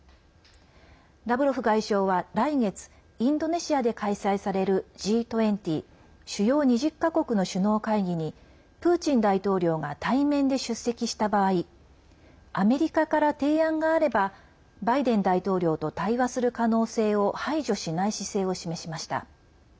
ラブロフ外相は来月、インドネシアで開催されるＧ２０＝主要２０か国の首脳会議にプーチン大統領が対面で出席した場合アメリカから提案があればバイデン大統領と対話する可能性を排除しない姿勢を示しました。